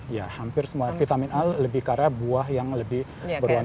ya hampir semua vitamin a lebih karena buah yang lebih berluna